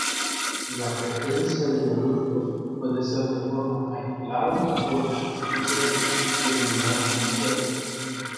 La presencia de moluscos puede ser de forma aislada o en acumulaciones denominadas concheros.